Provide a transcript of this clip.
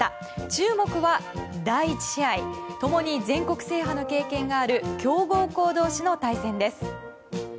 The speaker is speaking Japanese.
注目は第１試合共に全国制覇の経験がある強豪校同士の対戦です。